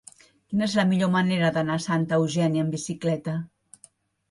Quina és la millor manera d'anar a Santa Eugènia amb bicicleta?